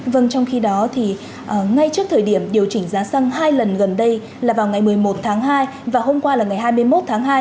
vâng trong khi đó thì ngay trước thời điểm điều chỉnh giá xăng hai lần gần đây là vào ngày một mươi một tháng hai và hôm qua là ngày hai mươi một tháng hai